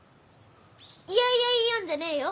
いやいや言いよんじゃねえよ。